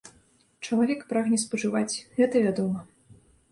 Чалавек прагне спажываць, гэта вядома.